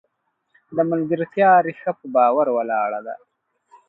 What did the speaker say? د ملګرتیا ریښه په باور ولاړه ده.